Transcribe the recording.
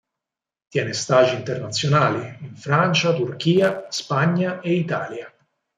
Tiene stage internazionali, in Francia, Turchia, Spagna e Italia.